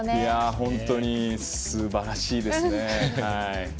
本当にすばらしいですね。